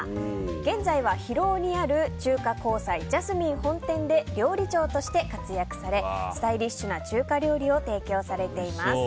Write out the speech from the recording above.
現在は広尾にある中華香彩ＪＡＳＭＩＮＥ本店で料理長として活躍されスタイリッシュな中華料理を提供されています。